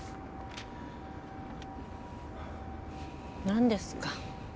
何ですか？